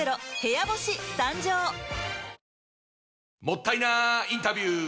もったいなインタビュー！